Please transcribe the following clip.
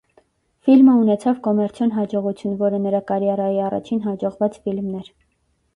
Ֆիլմը ունեցավ կոմերցիոն հաջողություն, որը նրա կարիերայի առաջին հաջողված ֆիլմն էր։